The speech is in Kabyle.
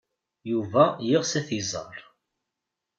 Yuba yeɣs ad t-iẓer.